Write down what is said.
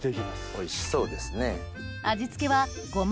おいしそうですね。